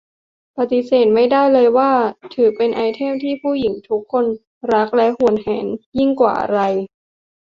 ปฏิเสธไม่ได้เลยว่า ถือเป็นไอเทมที่ผู้หญิงทุกคนรักและหวงแหนยิ่งกว่าอะไร